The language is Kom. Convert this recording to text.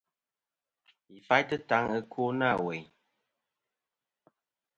Yi faytɨ taŋ ɨkwo nâ weyn.